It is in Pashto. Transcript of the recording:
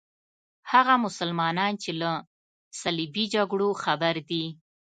هغه مسلمانان چې له صلیبي جګړو خبر دي.